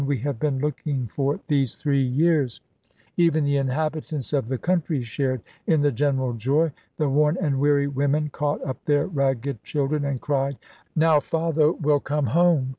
we have been looking for these three years." Even JOHNSTON'S SURRENDER 243 the inhabitants of the country shared in the general chap. xii. joy ; the worn and weary women canght up their ragged children and cried, " Now father will come home."